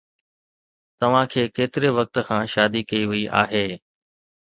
توهان کي ڪيتري وقت کان شادي ڪئي وئي آهي؟